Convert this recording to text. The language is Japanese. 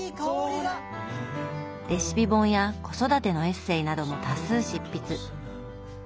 レシピ本や子育てのエッセーなども多数執筆。